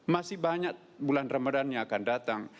masih banyak bulan ramadhan yang akan datang